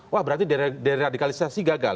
wah berarti deradikalisasi gagal